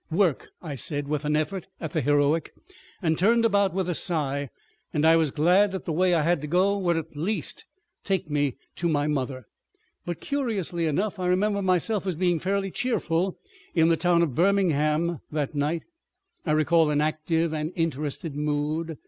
"Work!" I said with an effort at the heroic, and turned about with a sigh, and I was glad that the way I had to go would at least take me to my mother. ... But, curiously enough, I remember myself as being fairly cheerful in the town of Birmingham that night, I recall an active and interested mood.